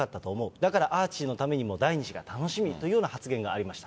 だからアーチーのためにも、第２子が楽しみだというような発言がありました。